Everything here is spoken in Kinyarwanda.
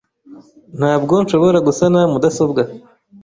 Ntabwo nshobora gusana mudasobwa.